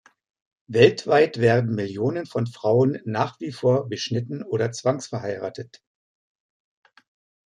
Weltweit werden Millionen von Frauen nach wie vor beschnitten oder zwangsverheiratet.